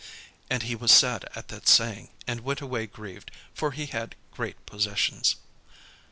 And he was sad at that saying, and went away grieved: for he had great possessions.